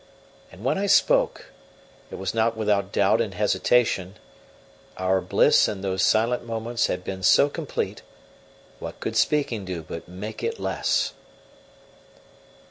And when I spoke, it was not without doubt and hesitation: our bliss in those silent moments had been so complete, what could speaking do but make it less!